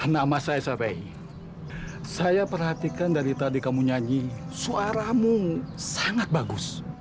nama saya sampai saya perhatikan dari tadi kamu nyanyi suaramu sangat bagus